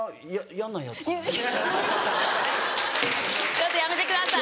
ちょっとやめてください